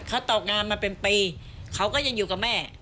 เขาตกงานมาเป็นปีเขาก็ยังอยู่กับแม่